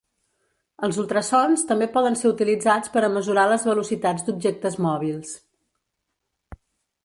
Els ultrasons també poden ser utilitzats per a mesurar les velocitats d’objectes mòbils.